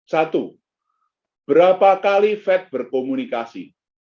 satu berapa kali fed berkomunikasi